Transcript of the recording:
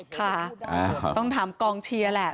ค่ะต้องถามกองเชียร์แหละ